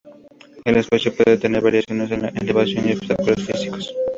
El espacio puede tener variaciones en la elevación y obstáculos físicos.